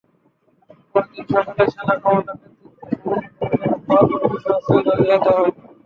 পরদিন সকালে সেনা কমান্ডোদের নেতৃত্বে সমন্বিত অভিযানে পাঁচ জঙ্গিসহ ছয়জন নিহত হয়।